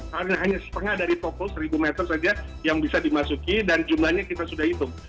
karena hanya setengah dari toko seribu meter saja yang bisa dimasuki dan jumlahnya kita sudah hitung